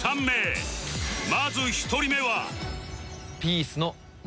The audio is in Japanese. まず１人目は